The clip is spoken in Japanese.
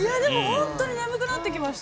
◆本当に眠くなってきました。